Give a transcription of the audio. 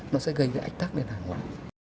nó sẽ gây cái ách tắc đến hàng hóa